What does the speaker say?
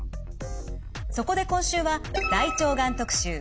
そこで今週は「大腸がん特集」。